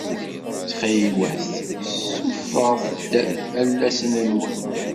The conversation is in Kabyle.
Ttxil-wat sufeɣ-t-d alasen-nwen.